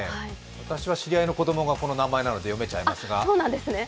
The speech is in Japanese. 私は知り合いの子供がこの名前なので、読めちゃいます。